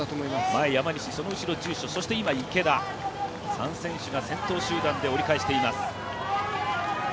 前、山西、その後ろ、住所３選手が先頭集団で折り返しています。